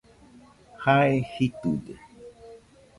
Jae jitɨde